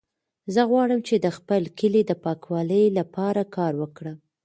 زه غواړم چې د خپل کلي د پاکوالي لپاره کار وکړم.